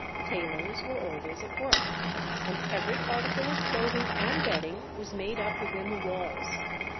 Tailors were always at work, and every article of clothing and bedding was made up within the walls.